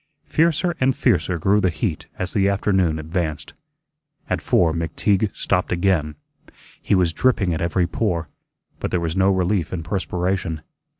Fiercer and fiercer grew the heat as the afternoon advanced. At four McTeague stopped again. He was dripping at every pore, but there was no relief in perspiration.